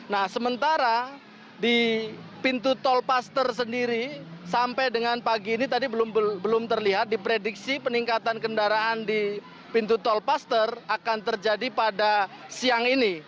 nah sementara di pintu tol paster sendiri sampai dengan pagi ini tadi belum terlihat diprediksi peningkatan kendaraan di pintu tol paster akan terjadi pada siang ini